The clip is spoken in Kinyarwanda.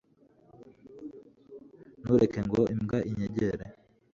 Ntureke ngo imbwa inyegere!